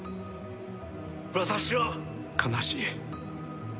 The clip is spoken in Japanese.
私は悲しい。